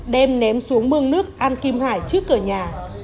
đem ném xuống mương nước an kim hải trước cửa nhà